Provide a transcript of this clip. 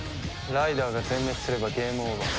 ライダーが全滅すればゲームオーバー。